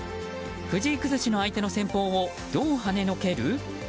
藤井崩しの相手の戦法をどうはねのける？